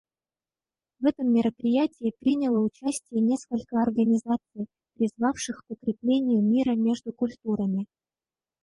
В этом мероприятии приняло участие несколько организаций, призвавших к укреплению мира между культурами.